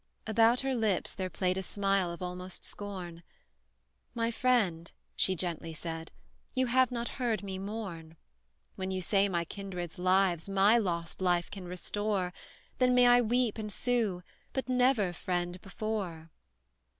About her lips there played a smile of almost scorn, "My friend," she gently said, "you have not heard me mourn; When you my kindred's lives, MY lost life, can restore, Then may I weep and sue, but never, friend, before!